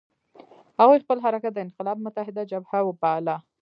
هغوی خپل حرکت د انقلاب متحده جبهه باله.